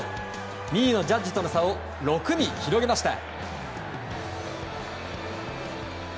２位のジャッジとの差を６に広げました。